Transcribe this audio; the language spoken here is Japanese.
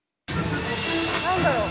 何だろう？